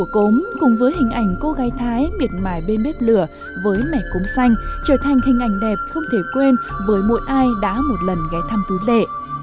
cốm cùng với hình ảnh cô gai thái miệt mài bên bếp lửa với mẻ cốm xanh trở thành hình ảnh đẹp không thể quên với mỗi ai đã một lần ghé thăm tú lệ